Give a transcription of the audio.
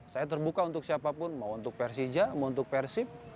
saya terbuka untuk siapapun mau untuk persija mau untuk persib